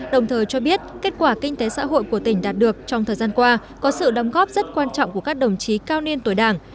đồng thời cho biết kết quả kinh tế xã hội của tỉnh đạt được trong thời gian qua có sự đóng góp rất quan trọng của các đồng chí cao niên tuổi đảng